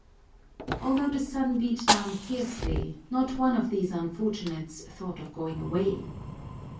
Although the sun beat down fiercely, not one of these unfortunates thought of going away.